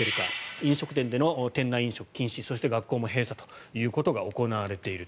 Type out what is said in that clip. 飲食店での店内飲食禁止そして学校も閉鎖ということが行われていると。